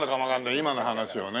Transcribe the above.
今の話をね。